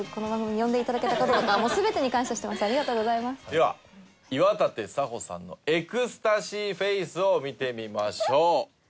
では岩立沙穂さんのエクスタシーフェイスを見てみましょう。